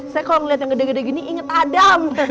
saya kalau melihat yang gede gede gini inget adam